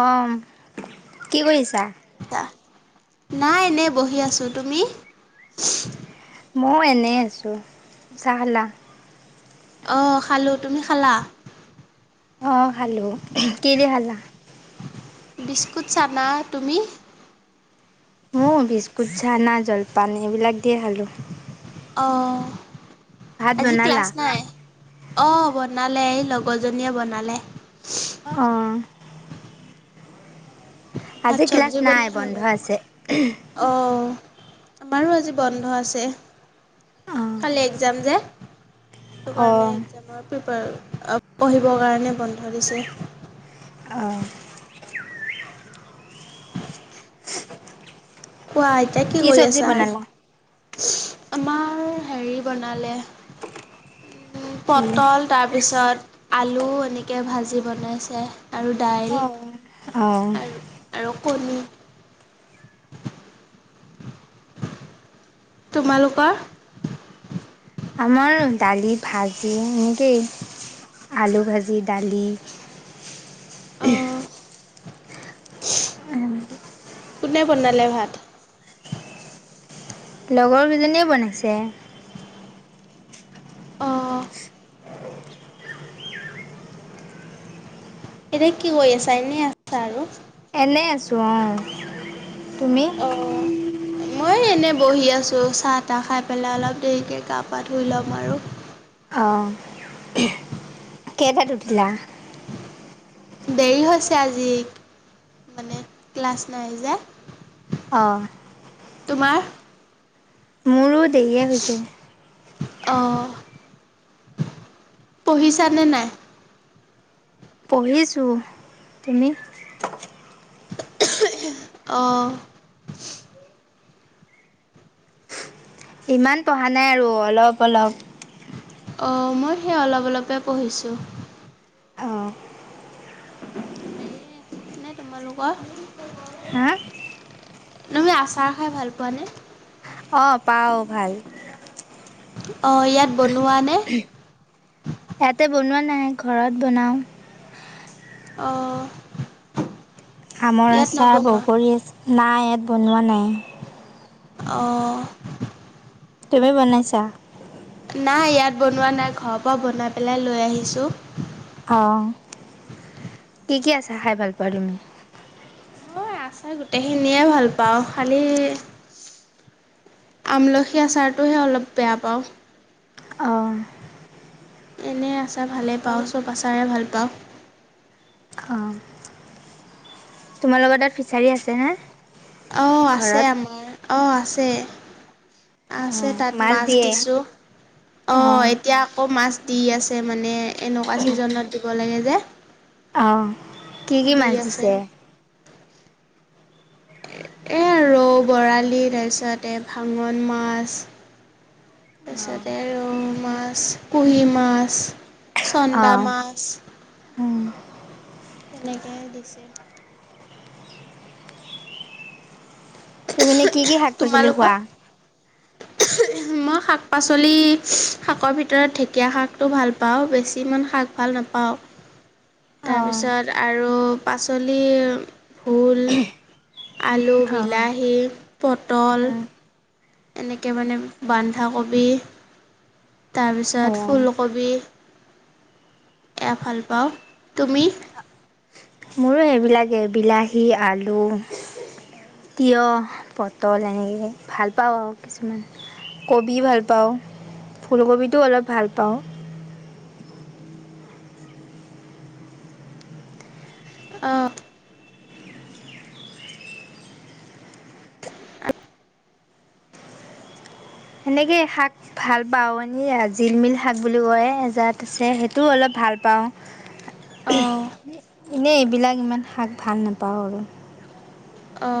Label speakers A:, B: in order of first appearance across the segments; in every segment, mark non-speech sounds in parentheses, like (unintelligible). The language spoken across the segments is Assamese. A: অ কি কৰিছাঁ।
B: নাই এনেই বহি আছোঁ তুমি।
A: মই এনেই আছোঁ চাহ খালা।
B: অঁ খালোঁ, তুমি খালা।
A: অ খালো। কি দি খালা।
B: বিস্কুট চানা তুমি?
A: উম বিস্কুট, চানা জলপান এইবিলাক দিয়ে খালোঁ।
B: অঁ',
A: ভাত
B: আজি
A: বনালা
B: ক্লাছ নাই? অঁ', বনালে এই লগৰজনীয়ে বনালে।
A: অ।
B: ভাত
A: আজি ক্লাছ
B: চব্জি
A: নাই
B: বনাই হয়
A: বন্ধ
B: গ'ল।
A: আছে
B: অঁ আমাৰো আজি বন্ধ আছে।
A: অঁ
B: কালি একজাম যে। সেইটো কাৰণে
A: অঁ
B: এক্সামৰ প্ৰিপোৰ পঢ়িবৰ কাৰণে বন্ধ দিছে।
A: আ আ।
B: কোৱা এতিয়া কি কৰি
A: চব্জি
B: আছা।
A: বনালা
B: আমাৰ হেৰি বনালে। পটল তাৰপিছত। আলু এনেকে ভাজি বনাইছে আৰু দাইল।
A: অ।
B: আৰু আৰু কণী। তোমালোকৰ।
A: আমাৰ দালি ভাজি এনেকেই আলু ভাজি, দালি।
B: অ কোনে বনালে ভাত।
A: লগৰ কেইজনীয়ে বনাইছে।
B: অঁ। এনে কি কৰি আছা এনেই আছা আৰু।
A: এনে আছো অ তুমি।
B: অঁ মই এনেই বহি আছোঁ, চাহ তাহ খাই পেলাই অলপ দেৰিকৈ গাহ পা ধুই ল'ম আৰু।
A: অঁ। কেইটাত উঠিলা?
B: দেৰি হৈছে আজি মানে ক্লাছ নাই যে।
A: অঁ।
B: তোমাৰ?
A: মোৰো দেৰিয়ে হৈছে।
B: অঁ' পঢ়িছানে নাই?
A: পঢ়িছোঁ, তুমি?
B: অঁ।
A: ইমান পঢ়া নাই আৰু অলপ অলপ।
B: অঁ' মই সেই অলপ অলপ কে পঢ়িছোঁ।
A: অঁ
B: মানে তোমালোকৰ।
A: হা
B: তুমি আচাৰ খাই ভাল পোৱা নে?
A: অঁ' পাওঁ ভাল।
B: অ' ইয়াত বনোৱা নে?
A: ইয়াতে বনোৱা নাই ঘৰত বনাওঁ।
B: অহ'।
A: আমৰ আচাৰ বগৰী, নাই ইয়াত বনোৱা নাই।
B: অঁ।
A: তুমি বনাইছা?
B: নাই ইয়াত বনোৱা নাই, ঘৰৰ পৰা বনাই পেলাই লৈ আহিছোঁ।
A: অঁ' কি কি আচাৰ খাই ভাল পোৱা তুমি?
B: মই আচাৰ গোটেইখিনিয়ে ভাল পাওঁ খালী আমলখিৰ আচাৰটোহে অলপ বেয়া পাওঁ।
A: অঁ
B: এনেই আচাৰ ভালে পাওঁ, চ'ব আচাৰে ভাল পাওঁ।
A: অঁ। তোমাৰ লগৰ তাত ফিচাৰী আছে নে?
B: অঁ' আছে আমাৰ অঁ' আছে। আছে
A: অঁ
B: তাত মাছ
A: দিয়ে
B: দিছোঁ, অঁ' এতিয়া আকৌ মাছ দি আছে মানে এনেকুৱা ছিজনত দিব লাগে যে।
A: অহ' কি কি
B: দি
A: মাছ
B: আছে
A: দিছে?
B: এই ৰৌ, বৰালি তাৰপিছতে এই ভাঙন মাছ- তাৰপিছতে ৰৌ মাছ, কুহি মাছ, চন্দা
A: অঁ
B: মাছ-
A: অঁ
B: তেনেকে দিছে।
A: তুমি মানে কি কি শাক পাচলি
B: তোমালোকৰ?
A: খোৱা? (unintelligible)
B: মই শাক-পাচলি শাকৰ ভিতৰত ঢেকীয়া শাকটো ভাল পাওঁ, বেছি ইমান শাক ভাল নাপাওঁ। তাৰপিছত আৰু পাচলি, ভোল- আলু,
A: উম,
B: বিলাহী, পটল- এনেকৈ মানে বন্ধাকবি- তাৰপিছত ফুলকবি- এয়া ভাল পাওঁ, তুমি?
A: মোৰো সেইবিলাকেই বিলাহী, আলু তিঁয়হ, পটল এনেকে ভাল পাওঁ আৰু কিছুমান। কবি ভাল পাওঁ, ফুলকবিটো অলপ ভাল পাওঁ।
B: অ
A: সেনেকেই শাক ভাল পাওঁ এনেই জিলমিল শাক বুলি কয় এজাত আছে সেইটোও অলপ ভাল পাওঁ। (unintelligible)
B: অ
A: এনেই এইবিলাক ইমান শাক ভাল নাপাওঁ আৰু।
B: অ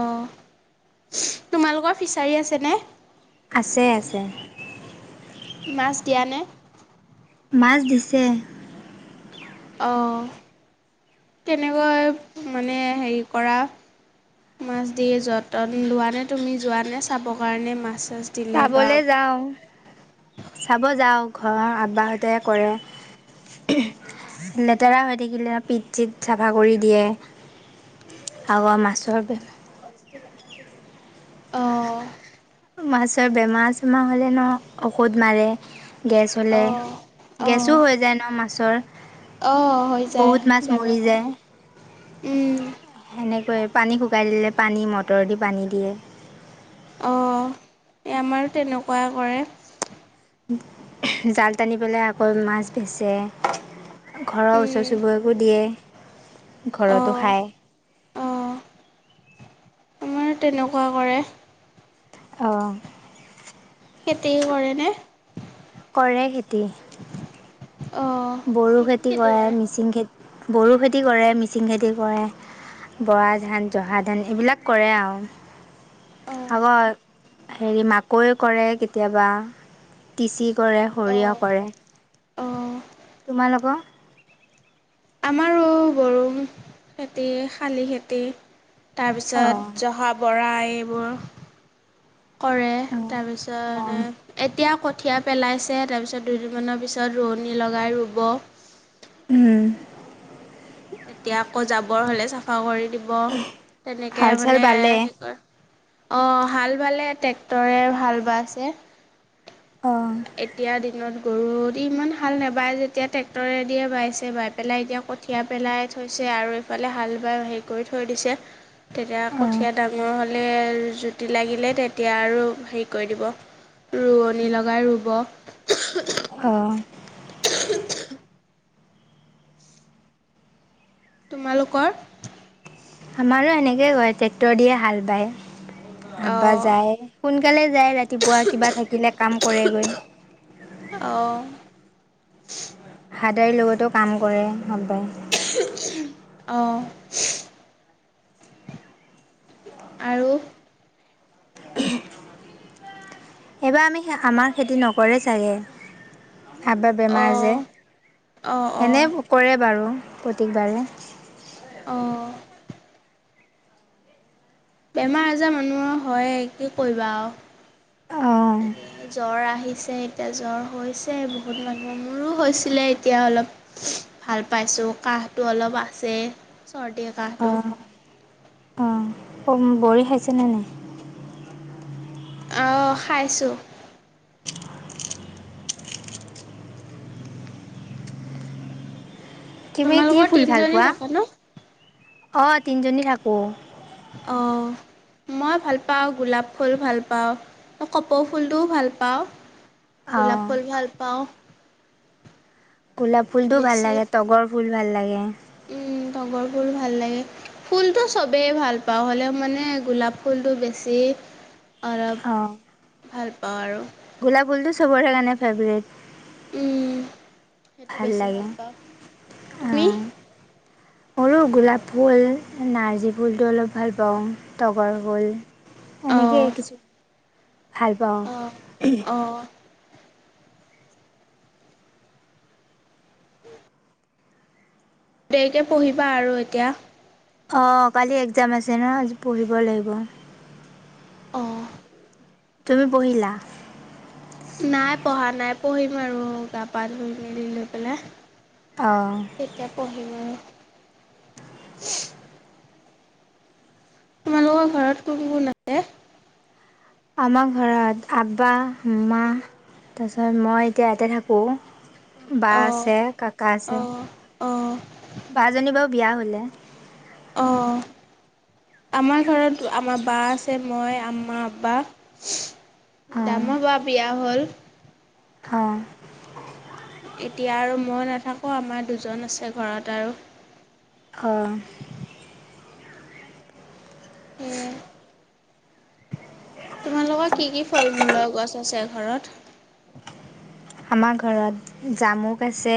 B: তোমালোকৰ ফিছাৰী আছেনে।
A: আছে আছে।
B: মাছ দিয়া নে।
A: মাছ দিছে।
B: অ' তেনেকৈ মানে হেৰি কৰা। মাছ দিয়ে যতন লোৱা নে তুমি যোৱা নে চাবৰ কাৰণে মাছ চাছ। দিলে বা
A: চাবলে যাওঁ চাব যাওঁ ঘৰৰ আব্বাহঁতে কৰে। ঊম লেতেৰা হৈ থাকিলে পিট চিত চাফা কৰি দিয়ে। আৱা মাছৰ
B: অ
A: মাছৰ বেমাৰ চেমাৰ হ'লে ন' ঔষধ মাৰে গেছ হ'লে।
B: অঁ
A: গেছো হৈ যায় ন মাছৰ।
B: অ হৈ যায়
A: বহুত মাছ মৰি
B: ব্যৱসায়
A: যায়
B: উম।
A: সেনেকৈ পানী শুকাই দিলে পানী মটৰ দি পানী দিয়ে
B: অ এ আমাৰো তেনেকুৱাই কৰে
A: জাল টানি পেলাই আকৌ মাছ বেচে ঘৰৰ
B: উম
A: ওচৰ চুবুৰীয়াকো দিয়ে ঘৰতো
B: অঁ
A: খায়
B: অঁ আমাৰো তেনেকুৱা কৰে
A: অ
B: খেতিও কৰেনে
A: কৰে খেতি
B: অঁ
A: বড়ো
B: কি কি
A: খেতি কৰে মিচিং খেতি বড়ো খেতি কৰে মিচিং খেতি কৰে বৰা ধান জহা ধান এইবিলাক কৰে আৱ
B: অঁ
A: হাৱা হেৰি মাকৈ কৰে কেতিয়াবা তিচি কৰে সৰিয়হ
B: অঁ
A: কৰে
B: অঁ
A: তোমালোকৰ।
B: আমাৰো বড়ো খেতি শালি খেতি
A: অ
B: তাৰপিছত জহা বৰা এইবোৰ কৰে
A: অ অ
B: তাৰপিছত এতিয়া কঠিয়া পেলাইছে তাৰপিছত দুদিনমানৰ পিছত ৰুৱনী লগাই ৰুব
A: উম
B: তেতিয়া আকৌ জাবৰ হ'লে চাফা কৰি দিব তেনেকে
A: হাল চাল
B: মানে
A: বালে
B: হেৰি কৰে অ হাল বালে ট্ৰেক্টৰে হাল বাইছে
A: অ
B: এতিয়া দিনত গৰু দি ইমান হাল নাবাই যেতিয়া ট্ৰেক্টৰে দিয়ে বাইছে বাই পেলাই এতিয়া কঠ কঠিয়া পেলাই থৈছে আৰু ইফালে হাল বাই হেৰি কৰি থৈ দিছে তেতিয়া
A: অ
B: কঠিয়া ডাঙৰ হ'ল তে জুতি লাগিলে তেতিয়া আৰু হেৰি কৰি দিব ৰুৱনী লগাই ৰুব ব।
A: অ।
B: তোমালোকৰ।
A: আমাৰো এনেকৈ কৰে ট্ৰেক্টৰ দিয়ে হাল বায়। আব্বা
B: অঁ
A: যায় সোনকালে যায় ৰাতিপুৱা কিবা থাকিলে কাম কৰেগৈ।
B: অঁ।
A: হাদাৰীৰ লগতো কাম কৰে আব্বাই।
B: অঁ। আৰু।
A: (unintelligible) এইবাৰ আমি আমাৰ খেতি নকৰে চাগে। আব্বাৰ বেমাৰ যে
B: অঁ অঁ অঁ
A: এনে কৰে বাৰু প্ৰতেকবাৰে।
B: অঁ। বেমাৰ আজাৰ মানুহৰ হয়ে কি কৰিবা আও।
A: অ
B: আজি জ্বৰ আহিছে। এতিয়া জ্বৰ হৈছে বহুত মানুহৰ মোৰো হৈছিলে এতিয়া অলপ। ভাল পাইছো কাহটো অলপ আছে চৰ্দি।
A: অ
B: কাহটো
A: অ উম বৰি খাইছানে নাই।
B: অঁ খাইছোঁ।
A: তুমি কি
B: তোমালোকৰ
A: ফুল ভাল
B: তিনিজনী
A: পোৱা
B: থাকা ন
A: অঁ তিনিজনী থাকোঁ।
B: অ। মই ভাল পাওঁ গোলাপ ফুল ভাল পাওঁ কপৌ ফুলটোও ভাল পাওঁ।
A: অ
B: গোলাপ ফুল ভাল পাওঁ।
A: গোলাপ ফুলটো ভাল লাগে তগৰ ফুল ভাল লাগে।
B: উম তগৰ ফুল ভাল লাগে। ফুলটো চবেই ভাল পাওঁ হ'লে মানে গোলাপ ফুলতটো বেছি। অলপ
A: অ
B: ভাল পাওঁ আৰু।
A: গোলাপ ফুলটো চবৰে কাৰণে ফেভৰেট।
B: উম সেইটো বেছি ভাল পাওঁ তুমি।
A: সৰু গোলাপ ফুল নাৰ্জী ফুলটো অলপ ভাল পাওঁ তগৰ ফুল।
B: অ'।
A: এনেকেই কিছু ভাল পাওঁ।
B: অ'। অ', দেৰীকে পঢ়িবা আৰু এতিয়া।
A: অঁ কালি এক্জাম আছে ন আজি পঢ়িব লাগিব।
B: অঁ।
A: তুমি পহিলা।
B: নাই পঢ়া নাই পঢ়িম আৰু গা পা ধুই মেলি লৈ পেলাই।
A: অঁ
B: তেতিয়া পঢ়িবন। তোমালোকৰ ঘৰত কোন কোন আছে।
A: আমাৰ ঘৰত আব্বা মা তাৰপিছত মই এতিয়া ইয়াতে থাকোঁ। বা
B: অ'।
A: আছে কাকা আছে
B: অ', অ',
A: বা জনী বাৰু বিয়া হলে।
B: অ'।
A: (unintelligible)
B: আমাৰ ঘৰত আমাৰ বা আছে মই আমমা আববা
A: অঁ
B: দামৰ বা বিয়া হ'ল।
A: অ।
B: এতিয়া আৰু মই নাথাকোঁ, আমাৰ দুজন আছে ঘৰত আৰু।
A: অ'!
B: সেয়ে,
A: (unintelligible)
B: তোমালোকৰ কি কি ফল-মূলৰ গছ আছে, ঘৰত?
A: আমাৰ ঘৰত, জামুক আছে,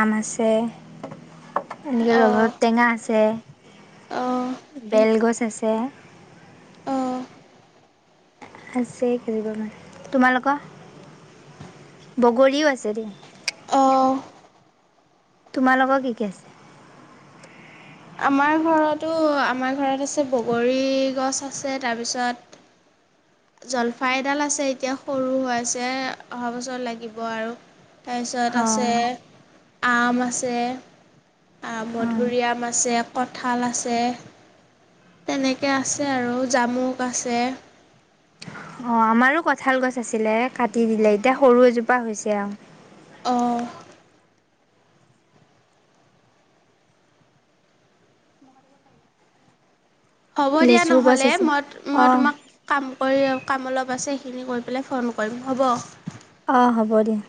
A: আম আছে। এনেকে ৰবাৱ
B: অ'।
A: টেঙা আছে,
B: অ',
A: বেল গছ আছে।
B: অ'।
A: আছে কেইজোপামান। তোমালোকৰ? বগৰীও আছে দিয়া।
B: অঁ
A: তোমালোকৰ কি কি আছে?
B: আমাৰ ঘৰতো, আমাৰ ঘৰত আছে, বগৰী গছ আছে, তাৰপিছত, জলফাই এডাল আছে। এতিয়া সৰু হৈ আছে, অহা বছৰ লাগিব আৰু। তাৰপিছত আছে,
A: অঁ
B: আম আছে,
A: অঁ
B: মধুৰিআম আছে, কঁঠাল আছে। তেনেকৈ আছে আৰু জামুক আছে।
A: অ'! আমাৰো কঁঠাল গছ আছিলে, কাটি দিলে। এতিয়া, সৰু এজোপা হৈছে আৰু।
B: অঁ হ'ব দিয়া
A: লেচু গছ
B: নহ'লে,
A: আছে
B: মই-মই
A: অঁ
B: তোমাক, কাম কৰি, কাম অলপ আছে, সেইখিনি কৰি পেলাই, ফোন কৰিম। হ'ব?
A: অ'! হ'ব দিয়া।